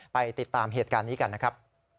ติดตามเหตุการณ์นี้กันนะครับ